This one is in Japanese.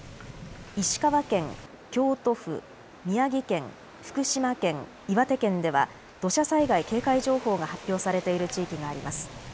石川県、京都府、宮城県、福島県、岩手県では土砂災害警戒情報が発表されている地域があります。